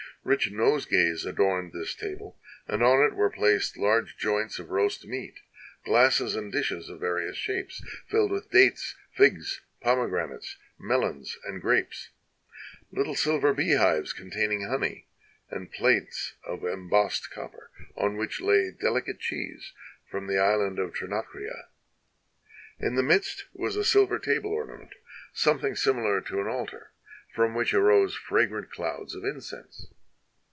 Rich nosegays adorned this table, and on it were placed large joints of roast meat, glasses and dishes of various shapes filled with dates, figs, pomegranates, melons and grapes, little silver beehives containing honey, and plates of embossed copper, on which lay delicate cheese from the island of Trinakria. In the midst was a silver table ornament, something similar to an altar, from which arose fragrant clouds of incense.